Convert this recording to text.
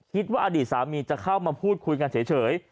คิดว่าอดีตสามีจะเข้ามาพูดคุยกันเฉย